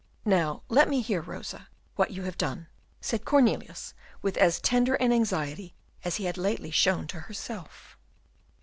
"Now, let me hear, Rosa, what you have done," said Cornelius, with as tender an anxiety as he had lately shown to herself.